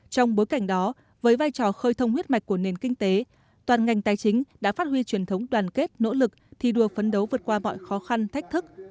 trong bối cảnh đó với vai trò khơi thông huyết mạch của nền kinh tế toàn ngành tài chính đã phát huy truyền thống đoàn kết nỗ lực thi đua phấn đấu vượt qua mọi khó khăn thách thức